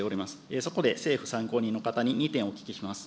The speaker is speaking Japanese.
そこで政府参考人の方に２点お聞きします。